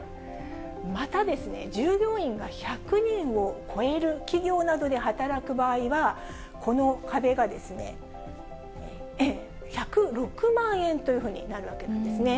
また、従業員が１００人を超える企業などで働く場合は、この壁が１０６万円というふうになるわけなんですね。